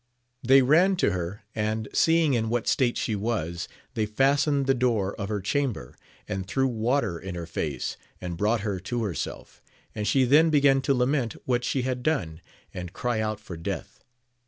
They ran to her, and seeing in what state she was, they fastened the door of her chamber, and threw water in her face, and brought her to herself, and she then began to lament what she had done, and cry out for death.